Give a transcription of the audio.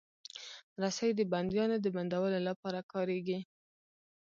رسۍ د بندیانو د بندولو لپاره کارېږي.